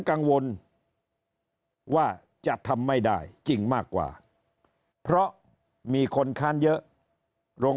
กังวลว่าจะทำไม่ได้จริงมากกว่าเพราะมีคนค้านเยอะโรง